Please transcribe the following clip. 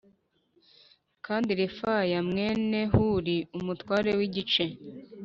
Kandi refaya mwene huri umutware w igice